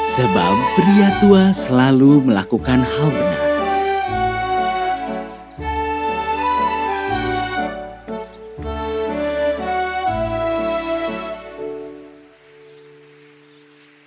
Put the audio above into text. sebab pria tua selalu melakukan hal benar